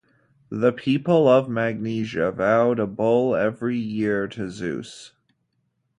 The people of Magnesia vowed a bull every year to Zeus.